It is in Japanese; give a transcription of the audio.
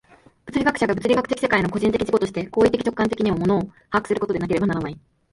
物理学者が物理学的世界の個人的自己として行為的直観的に物を把握することでなければならない。